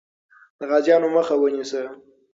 د غازیانو مخه ونیسه.